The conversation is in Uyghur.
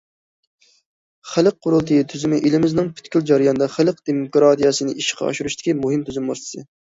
خەلق قۇرۇلتىيى تۈزۈمى ئېلىمىزنىڭ پۈتكۈل جەريانىدا خەلق دېموكراتىيەسىنى ئىشقا ئاشۇرۇشتىكى مۇھىم تۈزۈم ۋاسىتىسى.